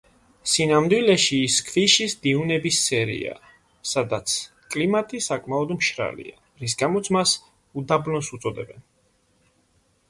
სინამდვილეში ის ქვიშის დიუნების სერიაა, სადაც კლიმატი საკმაოდ მშრალია, რის გამოც მას უდაბნოს უწოდებენ.